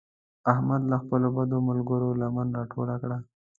احمد له خپلو بدو ملګرو لمن راټوله کړه.